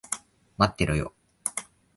待ってろよ。